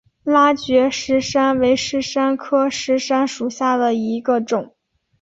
拉觉石杉为石杉科石杉属下的一个种。